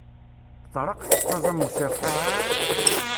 Treqq tettaẓ am usafu.